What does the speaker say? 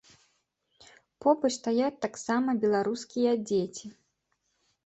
Побач стаяць таксама беларускія дзеці.